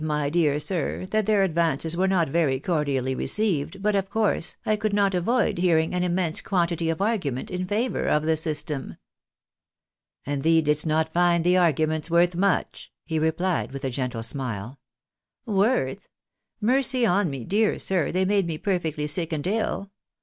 my dear sir, that their advances were not THE QUAKER PIIILANTHKOPIST. 227 very cordially received, but, of course, I could not avoid hearing an immense quantity of argument in favour of tlie system." " And tliee didst not find the arguments worth much ?" he rephed, with a gentle smile. " Worth ? Mercy on me, dear sir, they made me perfectly sick and ill.